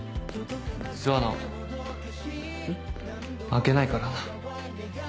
負けないからな。